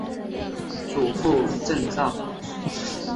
祖父郑肇。